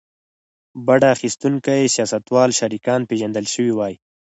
بډه اخیستونکي سیاستوال شریکان پېژندل شوي وای.